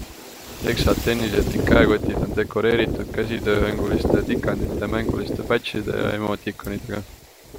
Teksad, tennised ning käekotid on dekoreeritud käsitööhõnguliste tikandite, mänguliste patchide ja emoticonidega.